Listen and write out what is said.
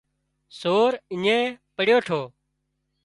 سور اڃين پڙيو ٺو